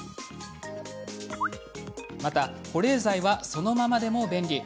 また保冷剤はそのままでも便利。